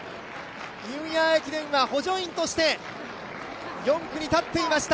ニューイヤー駅伝は補助員として、４区に立っていました。